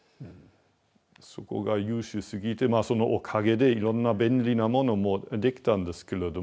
そこが優秀すぎてまあそのおかげでいろんな便利なものも出来たんですけれども。